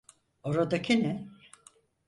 Oradaki ne?